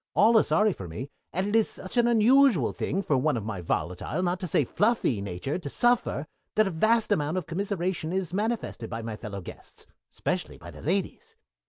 All are sorry for me, and it is such an unusual thing for one of my volatile, not to say fluffy, nature to suffer that a vast amount of commiseration is manifested by my fellow guests, especially by the ladies.